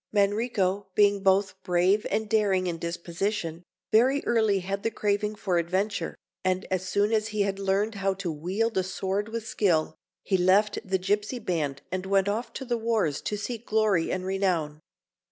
Manrico, being both brave and daring in disposition, very early had the craving for adventure, and as soon as he had learned how to wield a sword with skill, he left the gipsy band and went off to the wars to seek glory and renown.